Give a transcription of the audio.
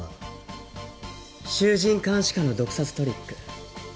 衆人環視下の毒殺トリック。